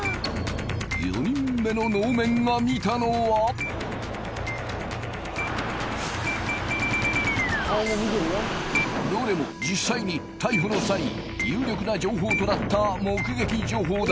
４人目の能面が見たのはどれも実際に逮捕の際有力な情報となった目撃情報だ